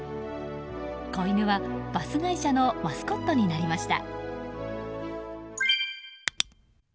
子犬はバス会社のマスコットになりました。